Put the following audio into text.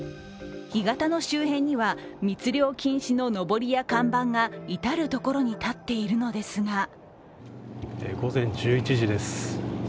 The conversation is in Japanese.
干潟の周辺には、密漁禁止ののぼりや看板が至る所に立っているのですが午前１１時です。